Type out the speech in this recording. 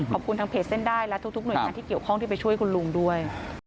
ขอบคุณทางเพจเส้นได้และทุกหน่วยงานที่เกี่ยวข้องที่ไปช่วยคุณลุงด้วย